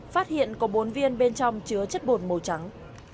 phát hiện có bốn viên bên trong chứa chất bột màu trắng